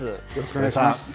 お願いします。